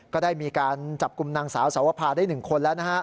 ก็ได้มีการจับกลุ่มนางสาวสวภาได้๑คนแล้วนะฮะ